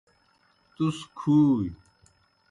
تُس کُھوئی۔